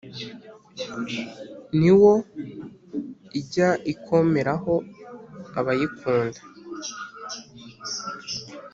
Ni wo ijya ikomeraho abayikunda.